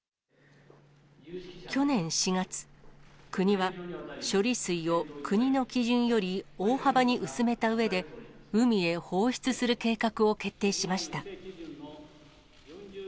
去年４月、国は、処理水を国の基準より大幅に薄めたうえで、海へ放出する計画を決定しました。